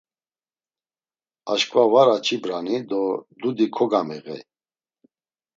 Aşǩva var aç̌ibrani do dudi kogamiğey.